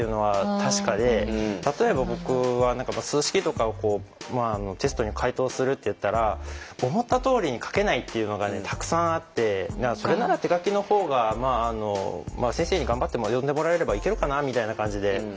例えば僕は数式とかをテストに解答するっていったら思ったとおりに書けないっていうのがたくさんあってそれなら手書きのほうが先生に頑張って読んでもらえればいけるかなみたいな感じで。